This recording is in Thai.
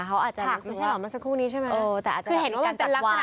เขาอาจจะฉากไม่ใช่เหรอเมื่อสักครู่นี้ใช่ไหมเออแต่อาจจะคือเห็นว่ามันเป็นลักษณะ